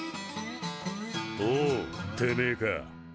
おうてめえか。